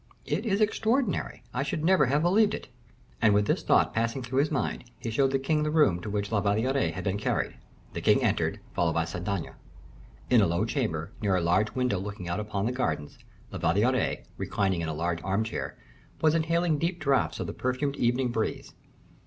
It is extraordinary; I should never have believed it." And with this thought passing through his mind, he showed the king the room to which La Valliere had been carried; the king entered, followed by Saint Aignan. In a low chamber, near a large window looking out upon the gardens, La Valliere, reclining in a large armchair, was inhaling deep draughts of the perfumed evening breeze.